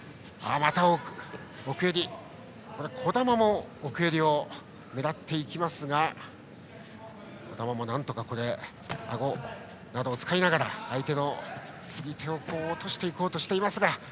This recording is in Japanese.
児玉も奥襟を狙っていきますが児玉、あごを使いながら相手の釣り手を落としていこうとしています。